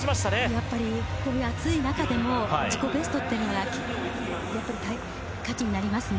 やっぱり暑い中でも自己ベストというのが価値になりますね。